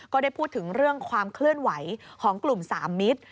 ก็ได้พูดถึงเรื่องความเคลื่อนไหวของกลุ่ม๓มิตร